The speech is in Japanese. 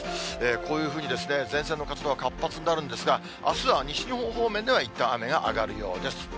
こういうふうに前線の活動が活発になるんですが、あすは西日本方面ではいったん雨は上がるようです。